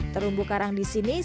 terumbu karang di sini